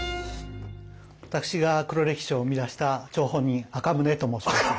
私が黒歴史を生み出した張本人赤宗と申します。